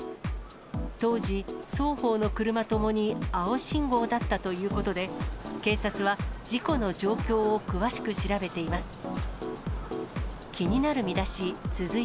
当時、双方の車ともに青信号だったということで、警察は事故の状況を詳しく調べています。